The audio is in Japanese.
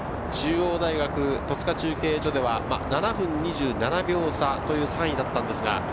中央大学、戸塚中継所では７分２７秒差、３位でした。